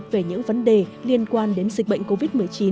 về những vấn đề liên quan đến dịch bệnh covid một mươi chín